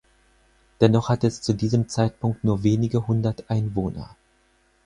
Dennoch hatte es zu diesem Zeitpunkt nur wenige hundert Einwohner.